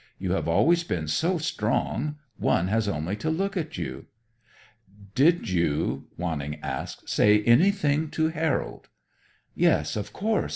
You have always been so strong. One has only to look at you." "Did you," Wanning asked, "say anything to Harold?" "Yes, of course.